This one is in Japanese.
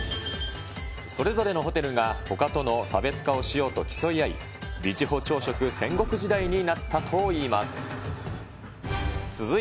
それぞれのホテルがほかとの差別化をしようと競い合い、ビジホ朝食戦国時代になったといいます。